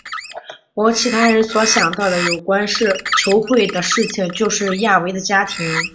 我和其他人所想到有关球会的事情就是亚维的家庭。